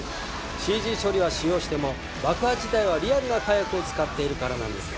ＣＧ処理は使用しても爆破自体はリアルな火薬を使っているからなんです。